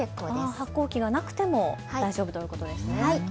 発酵機がなくても大丈夫ということなんですね。